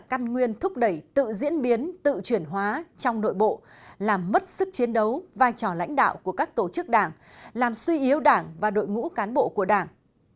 căn nguyên thúc đẩy tự diễn biến tự chuyển hóa trong nội bộ làm mất sức chiến đấu vai trò lãnh đạo của các tổ chức đảng làm suy yếu đảng và đội ngũ cán bộ của đảng